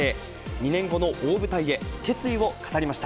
２年後の大舞台へ、決意を語りました。